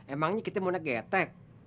emangnya kita mau naik getek